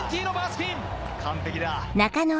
完璧だ！